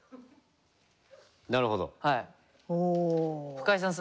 深井さん